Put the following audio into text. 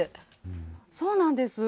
そうなんです。